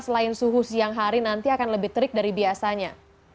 selain suhu siang hari nanti akan lebih terik dari biasanya